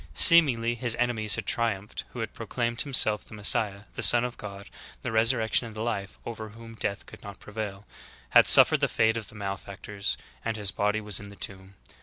Seemmgly His enemies had triumphed; He who proclaimed Himself the Messiah, the Son of God, the resurrection and the life, over whom death could not prevail, had suffered the fate of malefactors, and His body was in the tomb.